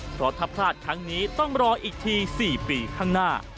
เพราะถ้าพลาดครั้งนี้ต้องรออีกที๔ปีข้างหน้า